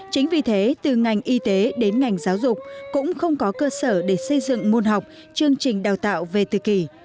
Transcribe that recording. chính vì thế từ ngành y tế đến ngành giáo dục cũng không có cơ sở để xây dựng môn học chương trình đào tạo về từ kỳ